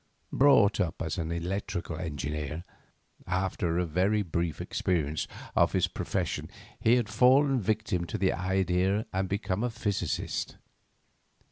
Brought up as an electrical engineer, after a very brief experience of his profession he had fallen victim to an idea and become a physicist.